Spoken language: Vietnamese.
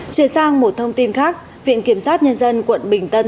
chuyển sang một thông tin khác viện kiểm sát nhân dân quận bình tân